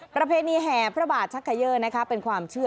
ประเพณีแห่พระบาทชักเกยอร์เป็นความเชื่อ